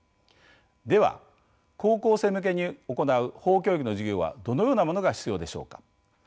では高校生向けに行う法教育の授業はどのようなものが必要でしょうか。